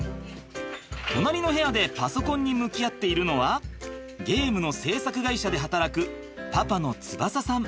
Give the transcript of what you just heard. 隣の部屋でパソコンに向き合っているのはゲームの制作会社で働くパパの翼さん。